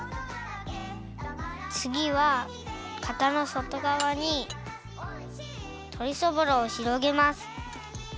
つぎはかたのそとがわにとりそぼろをひろげます。